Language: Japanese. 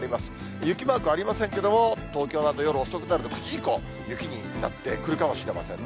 雪マークありませんけれども、東京など、夜遅くなると、９時以降、雪になってくるかもしれませんね。